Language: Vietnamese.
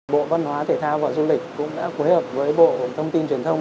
bộ văn hóa thể thao và du lịch cũng đã phối hợp với bộ thông tin truyền thông